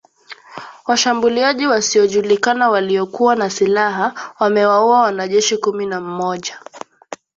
Washambuliaji wasiojulikana waliokuwa na silaha wamewaua wanajeshi kumi na mmoja